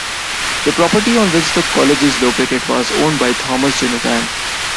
The property on which the College is located was owned by Thomas Donovan.